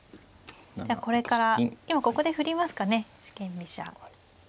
これから今ここで振りますかね四間飛車。